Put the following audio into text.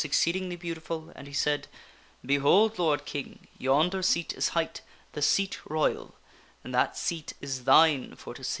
exceec ji n giy beautiful, and he said, " Behold, lord King, yon der seat is hight the ' Seat Royal/ and that seat is thine for to sit in."